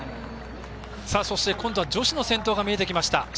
今度は女子の先頭が見えてきました。